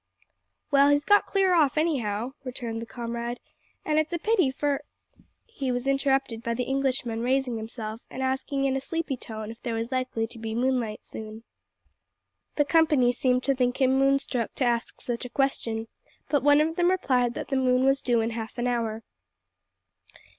"Well, he's got clear off, anyhow, returned the comrade, an' it's a pity, for " He was interrupted by the Englishman raising himself and asking in a sleepy tone if there was likely to be moonlight soon. The company seemed to think him moon struck to ask such a question, but one of them replied that the moon was due in half an hour.